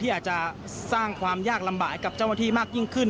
อาจจะสร้างความยากลำบากกับเจ้าหน้าที่มากยิ่งขึ้น